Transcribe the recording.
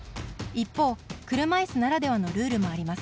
一方、車いすならではのルールもあります。